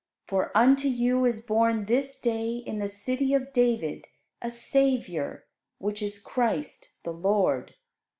For unto you is born this day in the city of David a Saviour, which is Christ the Lord."